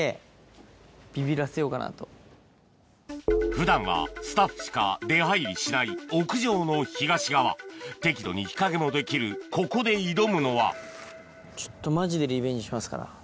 普段はスタッフしか出入りしない屋上の東側適度に日陰もできるここで挑むのはちょっと。